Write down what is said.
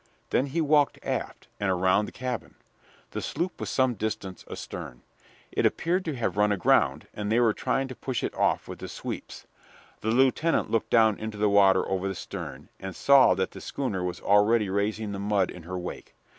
Then he walked aft and around the cabin. The sloop was some distance astern. It appeared to have run aground, and they were trying to push it off with the sweeps. The lieutenant looked down into the water over the stern, and saw that the schooner was already raising the mud in her wake.